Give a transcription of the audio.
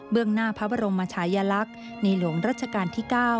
เบื้องหน้าพระบรมมชายลักษณ์ในหลวงราชการที่๙